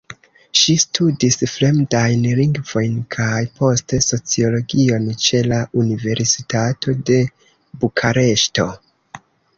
Ŝi studis fremdajn lingvojn kaj poste sociologion ĉe la Universitato de Bukareŝto.